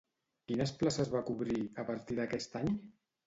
Quines places va cobrir, a partir d'aquest any?